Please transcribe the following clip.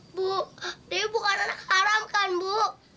bu dia bukan anak haram kan bu